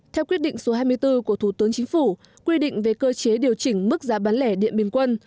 theo quyết định số hai mươi bốn của thủ tướng chính phủ quy định về cơ chế điều chỉnh mức giá bán lẻ điện bình quân